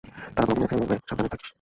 তারা তোকে মেরে ফেলবে, সাবধানে থাকিস।